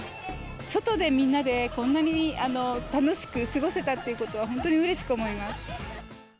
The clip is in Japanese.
外でみんなで、こんなに楽しく過ごせたっていうことは本当にうれしく思います。